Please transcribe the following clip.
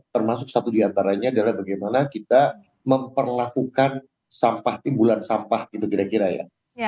termasuk satu diantaranya adalah bagaimana kita memperlakukan sampah timbulan sampah gitu kira kira ya